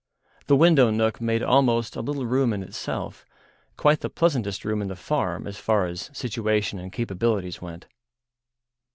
The window nook made almost a little room in itself, quite the pleasantest room in the farm as far as situation and capabilities went.